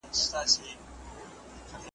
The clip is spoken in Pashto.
¬ پر خره سپور، خر ځني ورک.